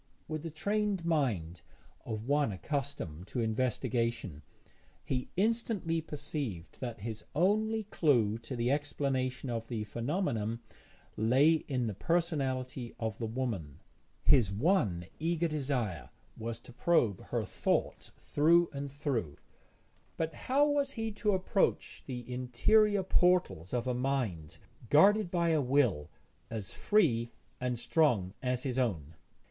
With the trained mind of one accustomed to investigation, he instantly perceived that his only clue to the explanation of the phenomenon lay in the personality of the woman. His one eager desire was to probe her thought through and through, but how was he to approach the interior portals of a mind guarded by a will as free and strong as his own?